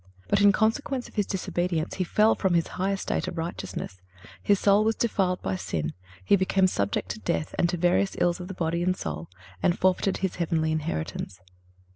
(330) But in consequence of his disobedience he fell from his high estate of righteousness; his soul was defiled by sin; he became subject to death and to various ills of body and soul and forfeited his heavenly inheritance.